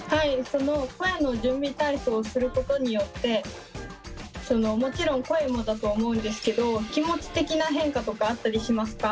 その声の準備体操をすることによってもちろん声もだと思うんですけど気持ち的な変化とかあったりしますか？